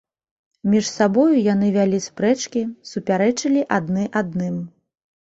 Між сабою яны вялі спрэчкі, супярэчылі адны адным.